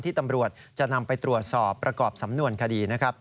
ตำรวจจะนำไปตรวจสอบประกอบสำนวนคดีนะครับ